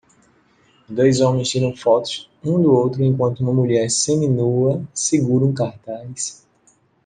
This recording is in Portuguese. Dois homens tiram fotos um do outro enquanto uma mulher seminua segura um cartaz